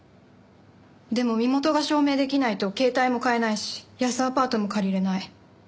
でも身元が証明できないと携帯も買えないし安アパートも借りられない。